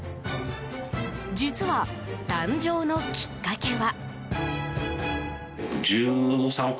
実は、誕生のきっかけは。